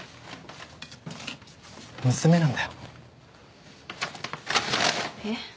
娘なんだよ。えっ？